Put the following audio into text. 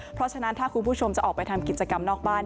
เพราะฉะนั้นถ้าคุณผู้ชมจะออกไปทำกิจกรรมนอกบ้าน